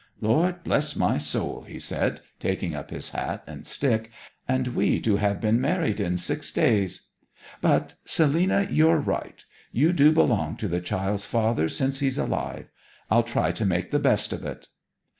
'Lord bless my soul,' he said, taking up his hat and stick, 'and we to have been married in six days! But Selina you're right. You do belong to the child's father since he's alive. I'll try to make the best of it.'